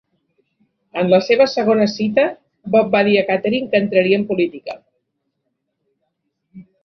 En la seva segona cita, Bob va dir a Catherine que entraria en política.